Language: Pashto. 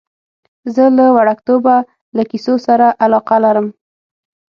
زه له وړکتوبه له کیسو سره علاقه لرم.